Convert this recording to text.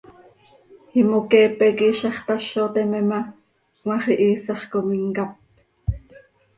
Imoqueepe quih iizax tazo teme ma, cmaax ihiisax com imcáp.